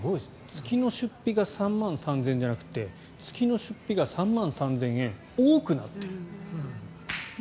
月の出費が３万３０００円じゃなくて月の出費が３万３０００円多くなっている。